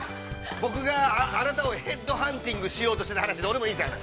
僕が、あなたをヘッドハンティングしようとした話、どうでもいいですから。